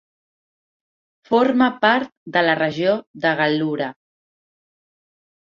Forma part de la regió de Gal·lura.